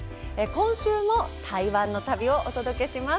今週も台湾の旅をお届けします。